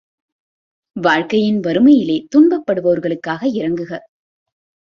வாழ்க்கையின் வறுமையிலே துன்பப்படுவோர்களுக்காக இரங்குக!